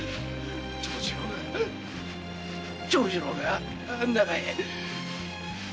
長次郎が長次郎があの中に！